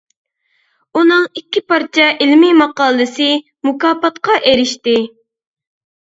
ئۇنىڭ ئىككى پارچە ئىلمىي ماقالىسى مۇكاپاتقا ئېرىشتى.